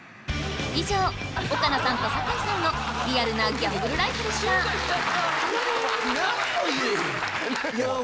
以上岡野さんと酒井さんのリアルなギャンブルライフでした何を言う。